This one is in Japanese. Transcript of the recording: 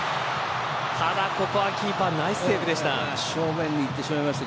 ただ、ここはキーパーナイスセーブでした。